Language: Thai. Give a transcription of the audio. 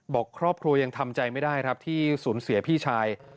บอกครอบครัวยังทำใจไม่ได้ครับที่สูญเสียพี่ชาย